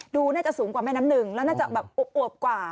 ดูน่าจะสูงกว่าแม่น้ำหนึ่งแล้วน่าจะแบบอวบกว่า